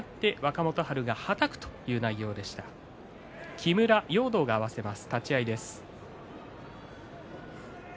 木村容堂が合わせます。